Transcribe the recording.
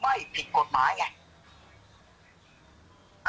แม่ยังคงมั่นใจและก็มีความหวังในการทำงานของเจ้าหน้าที่ตำรวจค่ะ